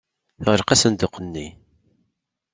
Teɣleq asenduq-nni.